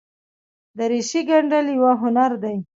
دریشي ګنډل یوه هنر دی.